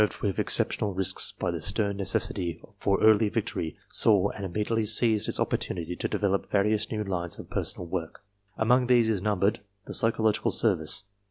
vu viii INTRODUCTION Our War Department, nerved to exceptional risks by the stem necessity for early victory, saw and immediately seized its opportunity to develop various new lines of personnel work. Among these is numbered the psychological service.